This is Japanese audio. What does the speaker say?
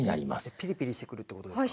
ピリピリしてくるってことですか？